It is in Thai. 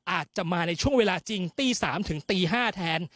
อาจจะมาในช่วงเวลาจริงตี๓ถึงตี๕แทน